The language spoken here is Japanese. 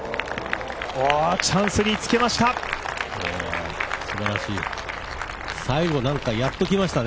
チャンスにつけました！